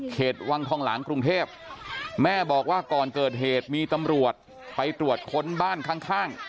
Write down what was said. วังทองหลางกรุงเทพแม่บอกว่าก่อนเกิดเหตุมีตำรวจไปตรวจค้นบ้านข้าง